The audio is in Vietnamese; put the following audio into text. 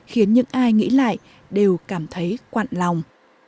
khiến những ai nghĩ lại đều cảm thấy quặn lòng